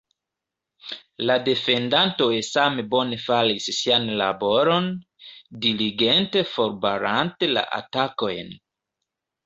La defendantoj same bone faris sian laboron, diligente forbarante la atakojn.